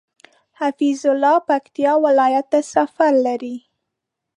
حفيظ الله پکتيا ولايت ته سفر لري